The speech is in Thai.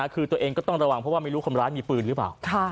คือตัวเองก็ต้องระวังเพราะว่าไม่รู้คนร้ายมีปืนหรือเปล่า